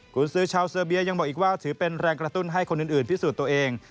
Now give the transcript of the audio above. คุณซื้อชาวเซอร์เบียยังบอกอีกว่าถือเป็นแรงกระตุ้นให้คนอื่นพิสูจน์ตัวเอง